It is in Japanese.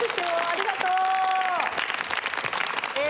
ありがとう！